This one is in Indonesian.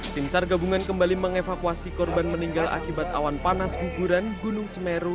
tim sar gabungan kembali mengevakuasi korban meninggal akibat awan panas guguran gunung semeru